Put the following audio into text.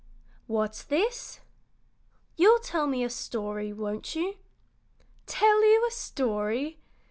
"What's this?" "You'll tell me a story, won't you?" "Tell you a story!